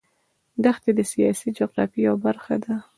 دښتې د سیاسي جغرافیه یوه برخه ده.